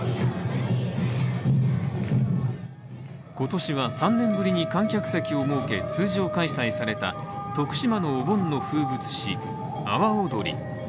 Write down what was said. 今年は３年ぶりに観客席を設け通常開催された徳島のお盆の風物詩、阿波おどり。